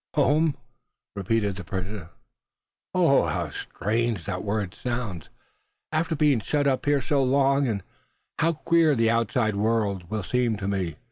"Home!" repeated the prisoner; "how strange that word sounds, after being shut up here so long. And how queer the outside world will seem to me.